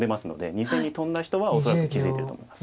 ２線にトンだ人は恐らく気付いてると思います。